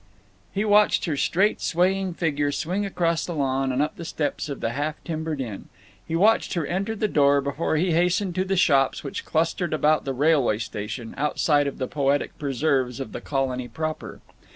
He watched her straight swaying figure swing across the lawn and up the steps of the half timbered inn. He watched her enter the door before he hastened to the shops which clustered about the railway station, outside of the poetic preserves of the colony proper.